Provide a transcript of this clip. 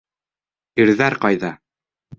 Ирҙәр ҡайҙа?